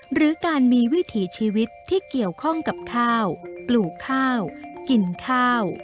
หรือการมีวิถีชีวิตที่เกี่ยวข้องกับข้าวปลูกข้าวกินข้าว